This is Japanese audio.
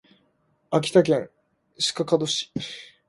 秋田県鹿角市